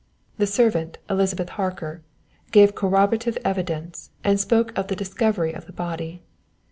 _ "_The servant, Elizabeth Harker, gave corroborative evidence, and spoke of the discovery of the body.